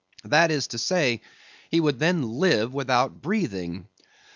That is to say, he would then live without breathing.